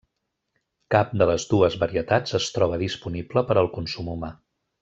Cap de les dues varietats es troba disponible per al consum humà.